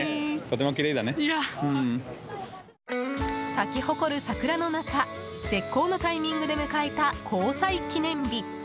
咲き誇る桜の中絶好のタイミングで迎えた交際記念日。